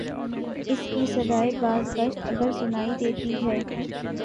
اس کی صدائے بازگشت اگر سنائی دیتی ہے۔